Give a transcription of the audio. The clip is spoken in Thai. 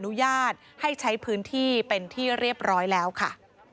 อนุญาตให้ใช้พื้นที่เป็นที่เรียบร้อยแล้วค่ะ